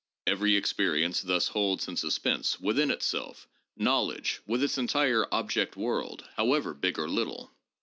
Every experience thus holds in suspense within itself knowledge with its entire object world, however big or little.